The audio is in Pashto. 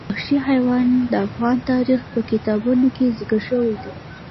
وحشي حیوانات د افغان تاریخ په کتابونو کې ذکر شوی دي.